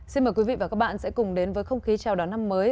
xin mời quý vị và các bạn sẽ cùng đến với không khí chào đón năm mới